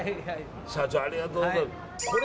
社長ありがとうございます。